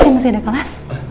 saya masih ada kelas